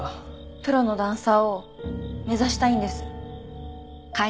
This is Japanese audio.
プロのダンサーを目指したいんです。